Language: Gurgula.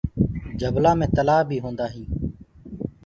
جبلآ مي تلآه بي هوندآ هينٚ۔